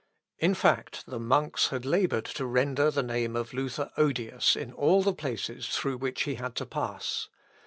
In fact, the monks had laboured to render the name of Luther odious in all the places through which he had to pass.